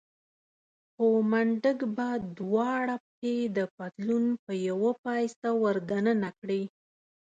خو منډک به دواړه پښې د پتلون په يوه پایڅه ور دننه کړې.